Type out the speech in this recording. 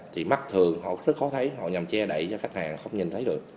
thì mắt thường họ rất khó thấy họ nhằm che đậy cho khách hàng không nhìn thấy được